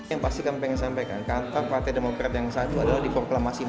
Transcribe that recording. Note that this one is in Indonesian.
yang pasti kamu pengen sampaikan kantor partai demokrat yang satu adalah di proklamasi empat puluh satu